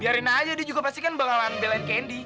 biarin aja di juga pasti kan bakalan belain candy